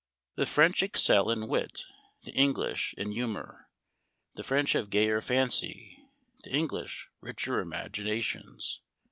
" The French excel in wit, the English in humor ; the French have gayer fancy, the English richer imaginations.